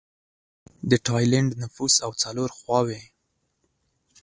د ټایلنډ نفوس او څلور خواووې